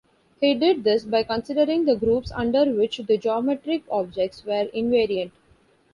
He did this by considering the groups under which the geometric objects were invariant.